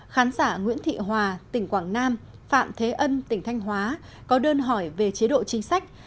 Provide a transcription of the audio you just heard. khán giả nguyễn thị hòa tỉnh quảng nam phạm thế ân tỉnh thanh hóa có đơn hỏi về chế độ chính sách